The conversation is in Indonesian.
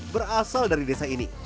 berasal dari desa ini